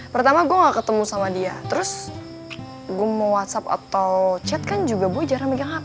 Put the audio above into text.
pertama gue gak ketemu sama dia terus gue mau whatsapp atau chat kan juga gue jarang megang hp